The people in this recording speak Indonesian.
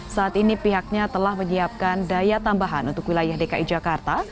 saat ini pihaknya telah menyiapkan daya tambahan untuk wilayah dki jakarta